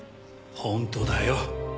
本当だよ。